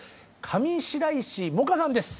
上白石萌歌さんです。